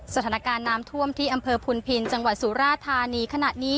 สถานการณ์น้ำท่วมที่อำเภอพุนพินจังหวัดสุราธานีขณะนี้